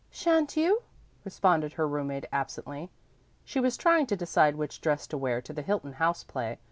"Shan't you?" responded her roommate absently. She was trying to decide which dress to wear to the Hilton House play.